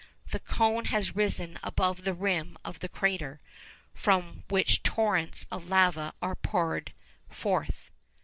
The cone has risen above the rim of the crater, from which torrents of lava are poured forth.